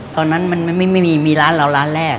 ตอนนั้นมันไม่มีมีร้านเราร้านแรก